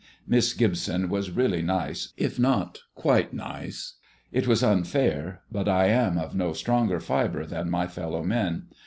Miss Gibson was really nice, if not "quite nice." It was unfair; but I am of no stronger fibre than my fellow men.